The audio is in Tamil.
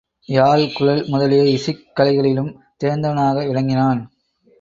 யாழ், குழல் முதலிய இசைக் கலைகளிலும் தேர்ந்தவனாக விளங்கினான்.